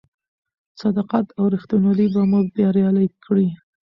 صداقت او رښتینولي به مو بریالي کړي.